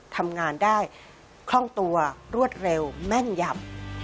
ทำงานได้คล่องตัวรวดเร็วแม่นยำ